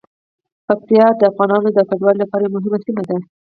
پکتیا د افغانانو د کډوالۍ لپاره یوه مهمه سیمه ده.